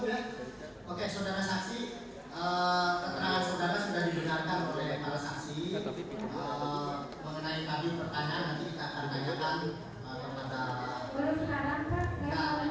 tolong segera pak jangan dilawang lawangkan